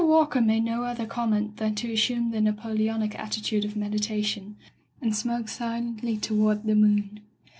Walker made no other comment than to assume the Napoleonic at titude of meditation, and smoke silently tow ard the moon.